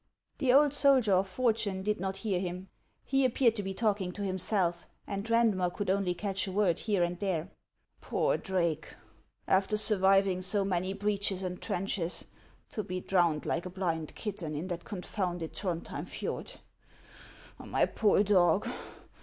The old soldier of fortune did not hear him ; he ap peared to be talking to himself, and Eaudmer could only catch a word here and there. " Poor 1 )rake ! After surviving so many breaches and trenches, to be drowned like a blind kitten in that con founded Throndhjem fjord! My poor dog!